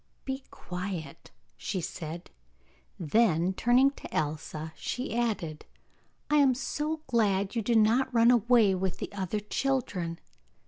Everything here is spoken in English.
'Be quiet,' said she; then turning to Elsa she added: 'I am so glad you did not run away with the other children.